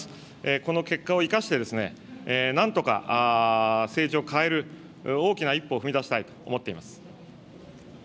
この結果を生かして、なんとか政治を変える大きな一歩を踏み出したいと思っています。